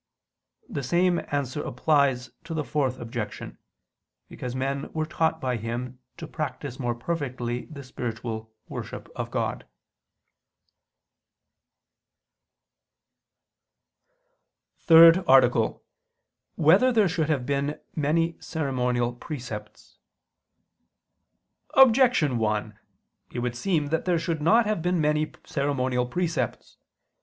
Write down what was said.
The same answer applies to the Fourth Objection: because men were taught by Him to practice more perfectly the spiritual worship of God. ________________________ THIRD ARTICLE [I II, Q. 101, Art. 3] Whether There Should Have Been Many Ceremonial Precepts? Objection 1: It would seem that there should not have been many ceremonial precepts.